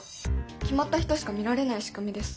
決まった人しか見られない仕組みです。